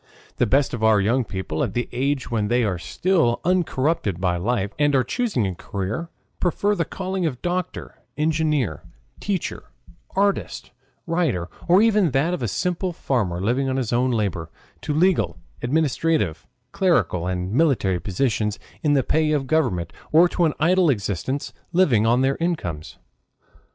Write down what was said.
The best of our young people, at the age when they are still uncorrupted by life and are choosing a career, prefer the calling of doctor, engineer, teacher, artist, writer, or even that of simple farmer living on his own labor, to legal, administrative, clerical, and military positions in the pay of government, or to an idle existence living on their incomes.